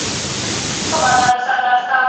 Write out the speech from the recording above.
ولایتي استازي څنګه همږغي کېږي؟